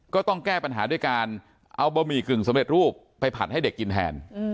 ก็ต้องแก้ปัญหาด้วยการเอาบะหมี่กึ่งสำเร็จรูปไปผัดให้เด็กกินแทน